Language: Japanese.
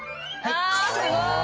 あすごい！